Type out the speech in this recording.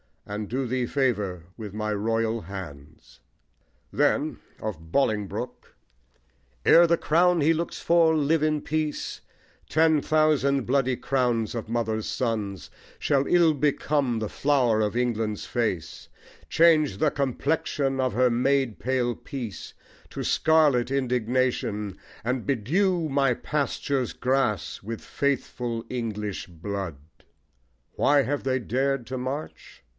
And do thee favour with my royal hands. Then (of Bolingbroke) Ere the crown he looks for live in peace, Ten thousand bloody crowns of mothers' sons Shall ill become the flower of England's face; Change the complexion of her maid pale peace To scarlet indignation, and bedew My pastures' grass with faithful English blood. Why have they dared to march?